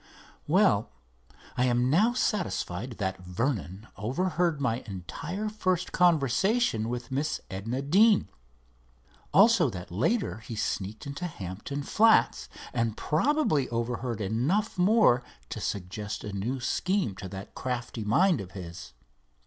"Well, I am now satisfied that Vernon overheard my entire first conversation with Miss Edna Deane. Also that later he sneaked into Hampton Flats, and probably overheard enough more to suggest a new scheme to that crafty mind of his.